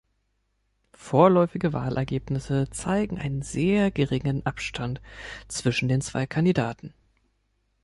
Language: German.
Vorläufige Wahlergebnisse zeigen einen sehr geringen Abstand zwischen den zwei Kandidaten.